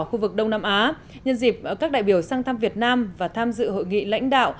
khu vực đông nam á nhân dịp các đại biểu sang thăm việt nam và tham dự hội nghị lãnh đạo